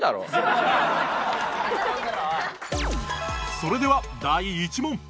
それでは第１問